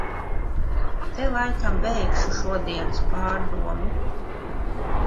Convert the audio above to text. Te laikam beigšu šodienas pārdomu...